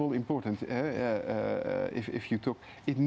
jika anda menggabungkan